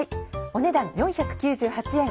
お値段４９８円。